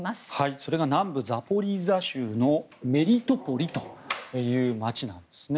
それが南部ザポリージャ州のメリトポリという街なんですね。